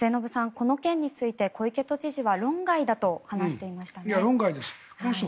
この件について小池都知事は論外だと話していましたね。